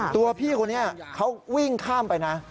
ตัวพี่คนนี้เขาวิ่งข้ามไปนะ